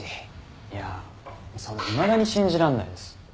いやそれいまだに信じらんないです。